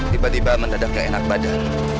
tiba tiba mendadak gak enak badan